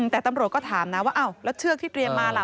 แต่ตำรวจก็ถามนะว่าอ้าวแล้วเชือกที่เตรียมมาล่ะ